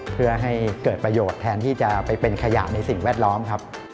เพื่อให้เกิดประโยชน์แทนที่จะไปเป็นขยะในสิ่งแวดล้อมครับ